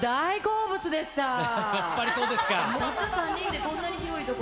やっぱりそうですか。